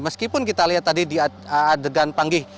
meskipun kita lihat tadi di adegan panggih